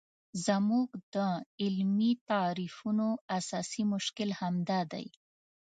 زموږ د علمي تعریفونو اساسي مشکل همدا دی.